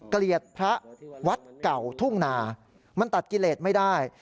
เกลียดพระวัดเก่าทุ่งนามันตัดกิเลสไม่ได้